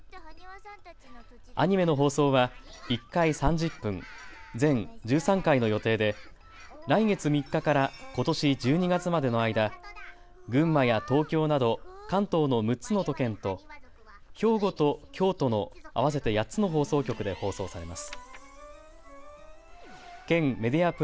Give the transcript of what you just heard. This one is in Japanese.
アニメの放送は１回３０分、全１３回の予定で、来月３日からことし１２月までの間、群馬や東京など、関東の６つの都県と兵庫と京都の合わせて８つの放送局で放送されます。